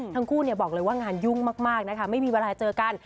ทั้งคู่บอกเลยว่างานยุ่งมากนะคะไม่มีเวลาเจอกัน